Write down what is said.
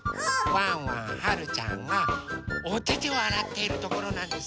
ワンワンはるちゃんがおててをあらっているところなんです。